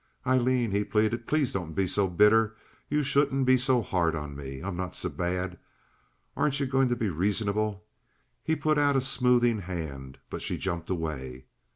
"Aileen," he pleaded, "please don't be so bitter. You shouldn't be so hard on me. I'm not so bad. Aren't you going to be reasonable?" He put out a smoothing hand, but she jumped away.